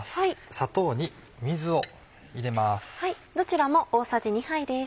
砂糖に水を入れます。